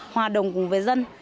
hòa đồng cùng với dân